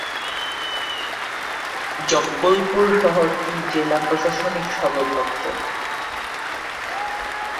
জব্বলপুর শহরটি জেলার প্রশাসনিক সদরদপ্তর।